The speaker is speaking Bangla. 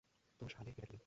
তোর শালে এটা কী রে?